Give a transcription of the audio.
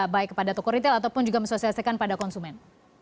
baik kepada toko retail ataupun juga mensosiasikan pada konsumen